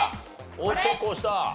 おっ結構押した。